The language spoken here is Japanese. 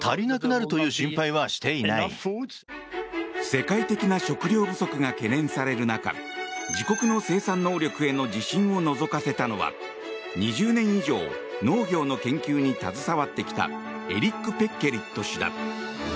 世界的な食料不足が懸念される中自国の生産能力への自信をのぞかせたのは２０年以上農業の研究に携わってきたエリック・ペッケリット氏だ。